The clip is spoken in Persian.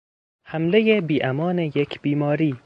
حملهی بیامان یک بیماری